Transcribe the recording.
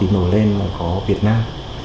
nổi lên là có việt nam